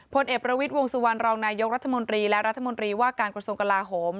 พลเอกประวิทย์วงสุวรรณรองนายกรัฐมนตรีและรัฐมนตรีว่าการกระทรวงกลาโหม